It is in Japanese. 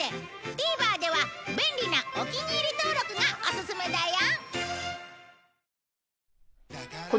ＴＶｅｒでは便利なお気に入り登録がオススメだよ！